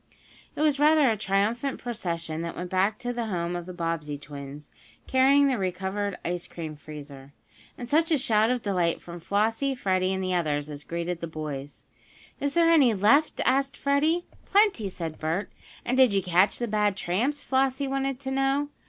It was rather a triumphant procession that went back to the home of the Bobbsey twins, carrying the recovered ice cream freezer. And such a shout of delight from Flossie, Freddie and the others as greeted the boys! "Is there any left?" asked Freddie. "Plenty," said Bert. "And did you catch the bad tramps?" Flossie wanted to know.